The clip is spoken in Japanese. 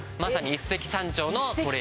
一石三鳥。